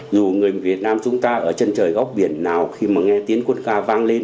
dù người việt nam chúng ta ở chân trời góc biển nào khi mà nghe tiếng quốc ca vang lên